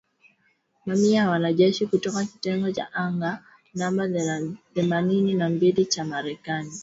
Mamia ya wanajeshi kutoka kitengo cha anga namba themanini na mbili cha Marekani wamepelekwa katika milima ya msituni kujiandaa na vita ya Ukraine